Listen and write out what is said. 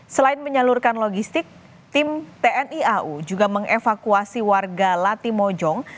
selain menyalurkan logistik tim tni au juga mengevakuasi warga latimojong